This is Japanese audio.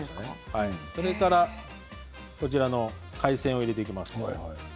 それから海鮮を入れていきます。